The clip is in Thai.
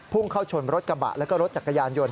พุ่งเข้าชนรถกระบะและรถจักรยานยนต์